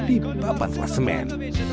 empat kelas semen